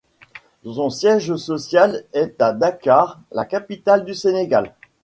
Son siège social est à Dakar, la capitale du Sénégal.